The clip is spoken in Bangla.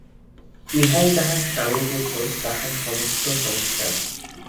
ইহাই তাঁহার স্বামী, পুত্র, তাঁহার সমস্ত সংসার।